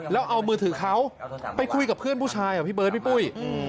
แล้วเอามือถือเขาไปคุยกับเพื่อนผู้ชายเหรอพี่เบิร์ดพี่ปุ้ย